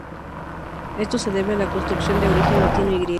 Esto se debe a la construcción de origen latino y griego.